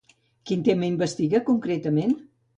Quin tema investiga concretament?